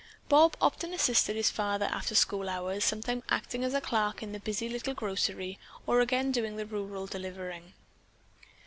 Bob often assisted his father after school hours, sometimes acting as clerk in the busy little grocery, or again doing the rural delivering.